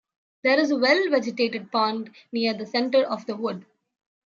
There is a well-vegetated pond near the centre of the wood.